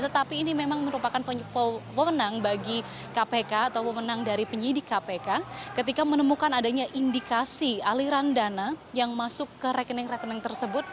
tetapi ini memang merupakan pemenang bagi kpk atau pemenang dari penyidik kpk ketika menemukan adanya indikasi aliran dana yang masuk ke rekening rekening tersebut